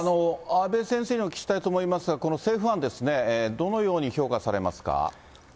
阿部先生にお聞きしたいと思いますが、この政府案ですね、どのように評価されますか。